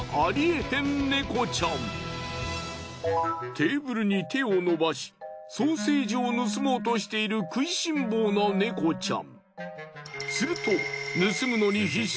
テーブルに手を伸ばしソーセージを盗もうとしている食いしん坊な猫ちゃん。